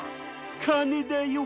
かねだよ！